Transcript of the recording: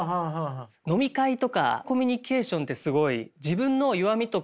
飲み会とかコミュニケーションってすごい盛り上がりますよね。